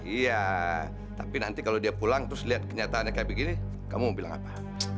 iya tapi nanti kalau dia pulang terus lihat kenyataannya kayak begini kamu bilang apa